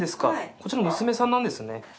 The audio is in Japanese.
こちら娘さんなんですね。